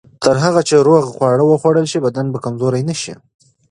تر هغه چې روغ خواړه وخوړل شي، بدن به کمزوری نه شي.